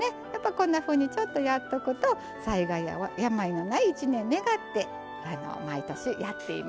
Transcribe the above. こんなふうにちょっとやっとくと災害や病のない一年願って毎年やっています。